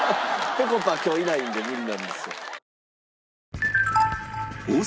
ぺこぱ今日いないんで無理なんですよ。